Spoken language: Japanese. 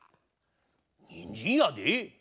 にんじんやで？